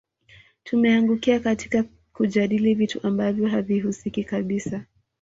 Tumeangukia katika kujadili vitu ambavyo havihusiki kabisa